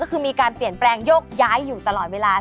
ก็คือมีการเปลี่ยนแปลงโยกย้ายอยู่ตลอดเวลา